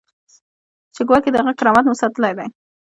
چې ګواکې د هغه کرامت مو ساتلی دی.